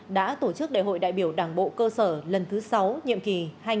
đã tổ chức đại hội đại biểu đảng bộ cơ sở lần thứ sáu nhiệm kỳ hai nghìn hai mươi hai nghìn hai mươi năm